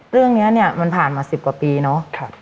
เรื่องนี้เนี่ยมันผ่านมา๑๐กว่าปีเนาะ